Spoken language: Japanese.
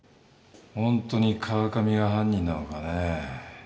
本当に川上が犯人なのかね。